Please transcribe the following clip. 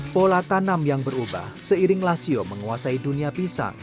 pola tanam yang berubah seiring lasio menguasai dunia pisang